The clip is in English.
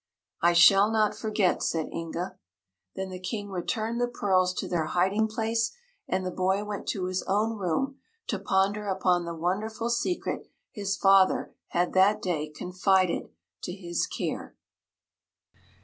"I shall not forget," said Inga. Then the King returned the pearls to their hiding place and the boy went to his own room to ponder upon the wonderful secret his father had that day confided to his care.